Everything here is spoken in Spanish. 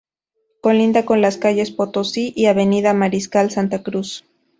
Colinda con las calles Potosí y Avenida Mariscal Santa Cruz.